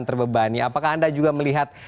terbebani apakah anda juga melihat